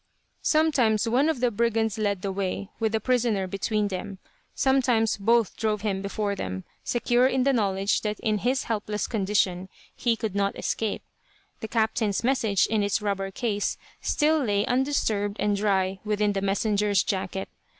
Sometimes one of the brigands led the way, with the prisoner between them, sometimes both drove him before them, secure in the knowledge that in his helpless condition he could not escape. The captain's message, in its rubber case, still lay undisturbed and dry within the messenger's jacket.